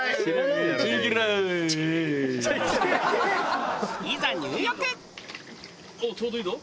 いやあちょうどいいぞ。